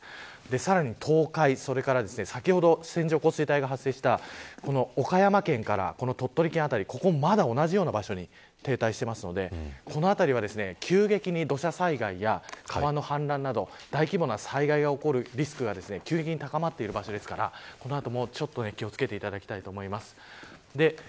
さらに、東海それから先ほど線状降水帯が発生した岡山県から鳥取県辺りここもまだ同じような場所に停滞しているのでこの辺りは、急激に土砂災害や川の氾濫など大規模な災害が起こるリスクが高まっている場所ですからこの後もちょっと気を付けていただきたいと思います。